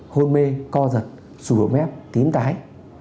hôn mê co giật xù bổ mép tím tái